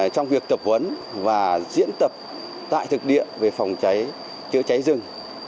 trong việc tập huấn và diễn tập tại thực địa về phòng cháy chữa cháy rừng